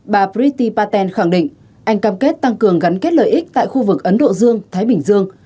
bà christi paten khẳng định anh cam kết tăng cường gắn kết lợi ích tại khu vực ấn độ dương thái bình dương